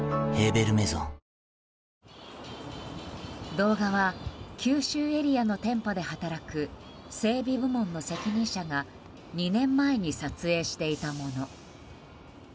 動画は九州エリアの店舗で働く整備部門の責任者が２年前に撮影していたもの。